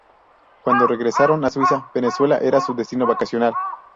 Cuando regresaron a Suiza, Venezuela era su destino vacacional.